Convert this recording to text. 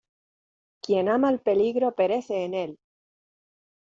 ¡ quien ama el peligro perece en él!